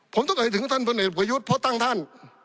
ผมต้องเอ่ยถึงท่านพลเอกประยุทธ์เพราะตั้งท่าน